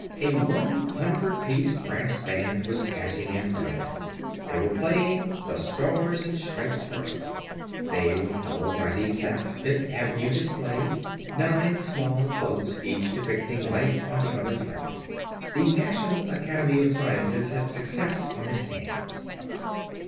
A one hundred piece brass band was passing in front of them. They were playing "The Stars and Stripes Forever." They were followed by the Sak's Fifth Avenue display; nine small floats, each depicting life on another planet. The National Academy of Sciences had a success on its hands.